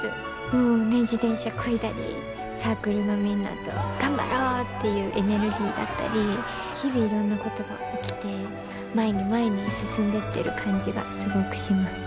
もうね自転車こいだりサークルのみんなと頑張ろうっていうエネルギーだったり日々いろんなことが起きて前に前に進んでってる感じがすごくします。